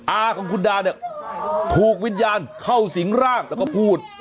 อาของคุณดาเนี่ยถูกวิญญาณเข้าสิงร่างแล้วก็พูด